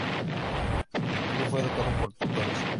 Él fue educado por tutores.